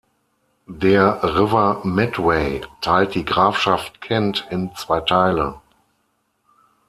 Der River Medway teilt die Grafschaft Kent in zwei Teile.